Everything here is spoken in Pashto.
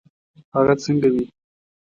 هغه څنګه وي.